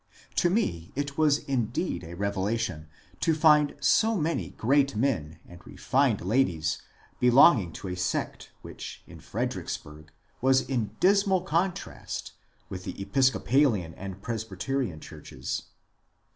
To me it was indeed a revelation to find so many great men and refined ladies belonging to a sect which in Fredericks burg was in dismal contrast with the Episcopalian and Pres byterian churches.